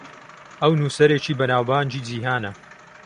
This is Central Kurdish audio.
ئەو نووسەرێکی بەناوبانگی جیهانە.